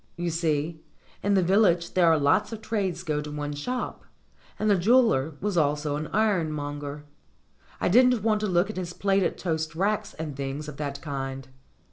You see, in the village there are lots of trades go to one shop, and the jeweller was also an ironmonger. I didn't want to look at his plated toast racks and things of that kind.